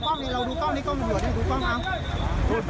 ทางไหนแล้วนั้นจบเลยอ้าวหนีไปทางไหนอ้าวหนีไปทางนี้